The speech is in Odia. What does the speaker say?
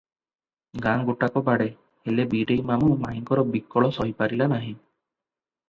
ଗାଁ ଗୋଟାକ ବାଡ଼େ, ହେଲେ ବୀରେଇ ମାମୁ ମାଇଁଙ୍କର ବିକଳ ସହିପାରିଲା ନାହିଁ ।